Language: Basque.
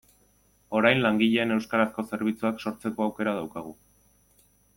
Orain langileen euskarazko zerbitzuak sortzeko aukera daukagu.